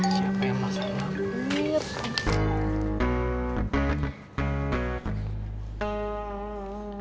siapa yang masalahmu